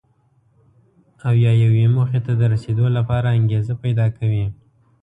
او یا یوې موخې ته د رسېدو لپاره انګېزه پیدا کوي.